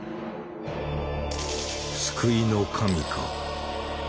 救いの神か？